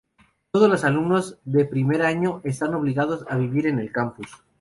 Todos los alumnos de primer año están obligados a vivir en el campus.